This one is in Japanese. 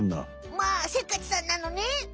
まあせっかちさんなのね。